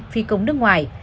phi công nước ngoài